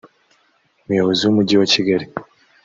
Umuyobozi w’umujyi wa Kigali